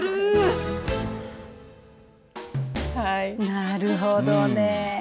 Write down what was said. なるほどね。